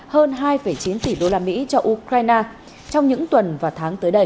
hơn hai chín tỷ usd cho ukraine trong những tuần và tháng tới đây